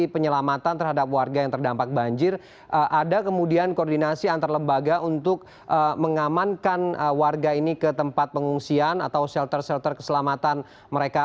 kemudian kemudian koordinasi antar lembaga untuk mengamankan warga ini ke tempat pengungsian atau shelter shelter keselamatan mereka